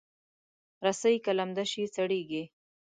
رسۍ که لمده شي، سړېږي.